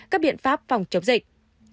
các biện pháp phòng chống dịch